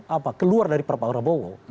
apa keluar dari pak prabowo